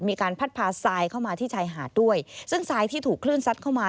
มีการพัดพาทรายเข้ามาที่ชายหาดด้วยซึ่งทรายที่ถูกคลื่นซัดเข้ามา